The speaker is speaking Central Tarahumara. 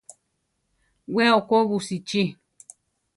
We okó busichí.